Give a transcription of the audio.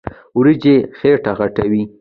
وريجې خيټه غټوي.